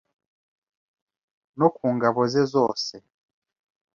no ku ngabo ze zose